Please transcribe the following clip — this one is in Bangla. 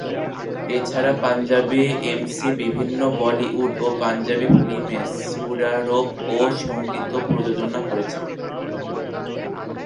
এছাড়া পাঞ্জাবি এমসি বিভিন্ন বলিউড ও পাঞ্জাবি ফিল্মে সুরারোপ ও সঙ্গীত প্রযোজনা করেছেন।